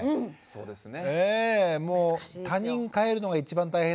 そうですね。